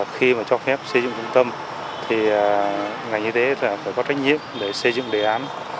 khi mà cho phép xây dựng trung tâm thì ngành y tế phải có trách nhiệm để xây dựng đề án